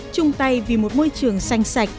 trung tay vì một môi trường xanh sạch